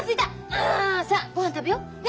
さっごはん食べよう？ね！